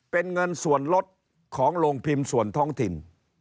เป็นเงินส่วนลดของโรงพิมพ์ส่วนท้องถิ่น